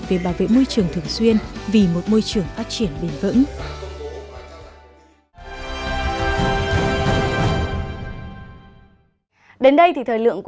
về bảo vệ môi trường thường xuyên vì một môi trường phát triển bền vững